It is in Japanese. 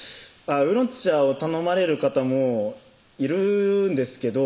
ウーロン茶を頼まれる方もいるんですけど